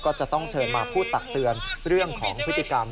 ก็จะต้องเชิญมาพูดตักเตือนเรื่องของพฤติกรรม